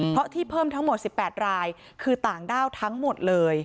เพราะที่เพิ่มทั้งหมด๑๘รายคือต่างด้าวทั้งหมดเลย